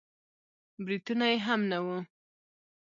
برېتونه يې هم نه وو.